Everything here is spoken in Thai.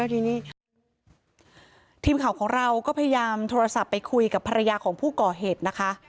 ทีนี้ทีมข่าวของเราก็พยายามโทรศัพท์ไปคุยกับภรรยาของผู้ก่อเหตุนะคะ